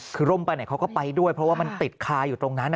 คือร่มไปไหนเขาก็ไปด้วยเพราะว่ามันติดคาอยู่ตรงนั้น